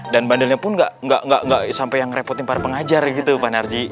dan bandelnya pun enggak sampai yang merepotin para pengajar pak narji